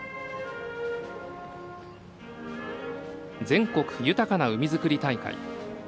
「全国豊かな海づくり大会」